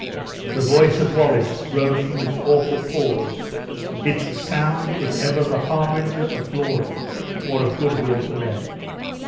The voice of Wallace rose from this awful pause. Its sound was ever the harbinger of glory, or of "good will to men."